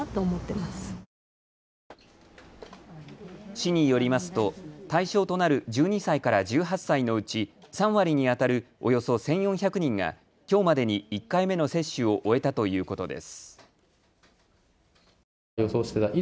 市によりますと対象となる１２歳から１８歳のうち３割にあたるおよそ１４００人がきょうまでに１回目の接種を終えたということです。